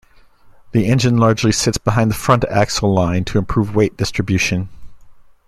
The engine largely sits behind the front-axle line to improve weight distribution.